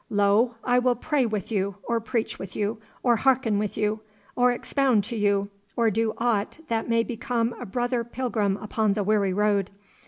Lo, I will pray with you, or preach with you, or hearken with you, or expound to you, or do aught that may become a brother pilgrim upon the weary road.